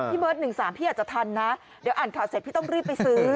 เบิร์ด๑๓พี่อาจจะทันนะเดี๋ยวอ่านข่าวเสร็จพี่ต้องรีบไปซื้อ